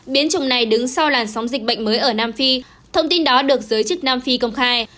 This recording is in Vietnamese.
biến chủng này đứng sau làn sóng dịch bệnh mới ở nam phi thông tin đó được giới chức nam phi công khai